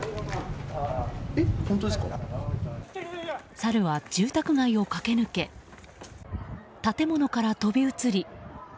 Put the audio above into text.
サルは住宅街を駆け抜け建物から飛び移り